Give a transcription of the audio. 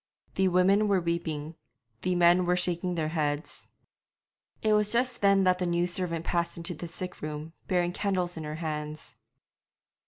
The women were weeping; the men were shaking their heads. It was just then that the new servant passed into the sick room, bearing candles in her hands.